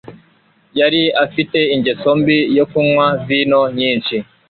Yari afite ingeso mbi yo kunywa vino nyinshi.